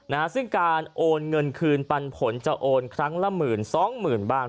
นะฮะซึ่งการโอนเงินคืนปันผลจะโอนครั้งละหมื่นสองหมื่นบ้าง